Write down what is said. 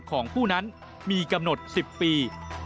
ของผู้นั้นมีกำหนด๑๐ปี